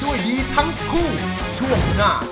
ดีทั้งคู่ช่วงหน้า